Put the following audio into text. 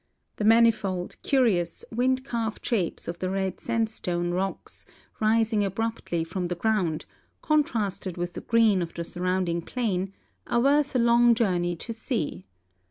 The manifold, curious, wind carved shapes of the red sandstone rocks rising abruptly from the ground, contrasted with the green of the surrounding plain, are worth a long journey to see.